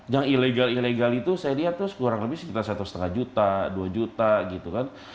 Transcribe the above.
yang ilegal ilegal itu saya lihat tuh kurang lebih sekitar satu lima juta dua juta gitu kan